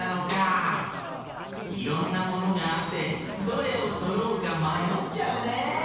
いろんなものがあってどれをとろうかまよっちゃうね！